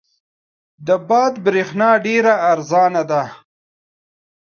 د باد برېښنا ډېره ارزانه ده.